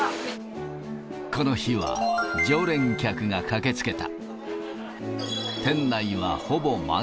この日は常連客が駆けつけた。